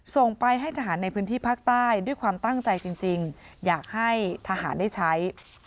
ส่งไปให้ทหารในพื้นที่ภาคใต้ด้วยความตั้งใจจริงอยากให้ทหารได้ใช้